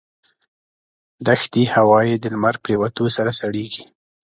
دښتي هوا یې د لمر پرېوتو سره سړېږي.